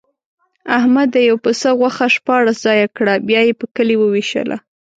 احمد د یوه پسه غوښه شپاړس ځایه کړه، بیا یې په کلي ووېشله.